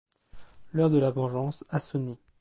L’heure de la vengeance a sonné…